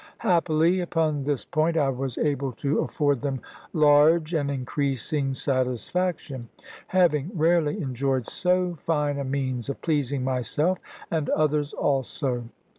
Happily, upon this point I was able to afford them large and increasing satisfaction, having rarely enjoyed so fine a means of pleasing myself and others also.